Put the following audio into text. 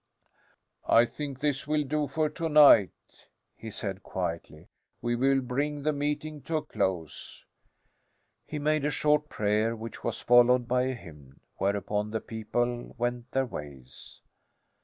"I think this will do for to night," he said quietly. "We will bring the meeting to a close." He made a short prayer, which was followed by a hymn. Whereupon the people went their ways.